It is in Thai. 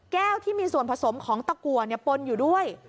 แก้วที่มีส่วนผสมของตระกรัวโปร่นอยู่ด้วย